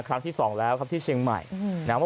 ครั้งที่สองแล้วที่เชียงใหม่